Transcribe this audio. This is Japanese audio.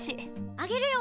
あげるよ！